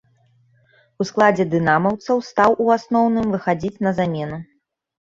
У складзе дынамаўцаў стаў у асноўным выхадзіць на замену.